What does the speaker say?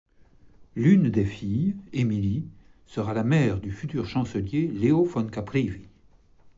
L'une des filles, Emilie, sera la mère du futur chancelier Leo von Caprivi.